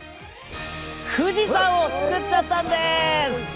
富士山を造っちゃったんです。